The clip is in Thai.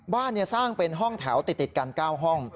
บ้านสร้างเป็นห้องแถวติดกัน๙ห้อง